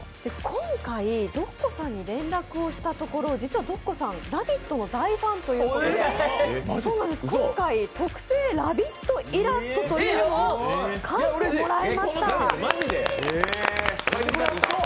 今回ｄｏｃｃｏさんに連絡をしたところ、実は「ラヴィット！」の大ファンということで今回、特製ラヴィットイラストを描いてもらいました。